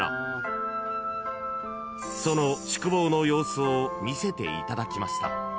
［その宿坊の様子を見せていただきました］